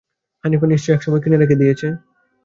হানিফা নিশ্চয়ই একসময় কিনে রেখে দিয়েছে।